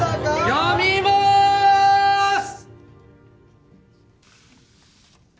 読みまーす！